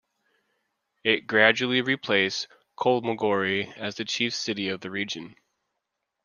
It gradually replaced Kholmogory as the chief city of the region.